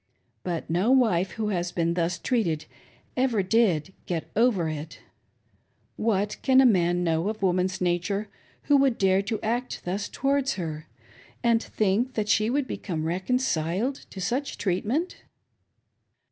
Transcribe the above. But no wife who has been thus treated ever did " get over it" What can a man know of 530 KEEPING "COVENANTS," woman's nature who would dare to act thus towards her, and think that she would become reconciled to such treatment